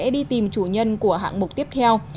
đi tìm chủ nhân của hạng mục tiếp theo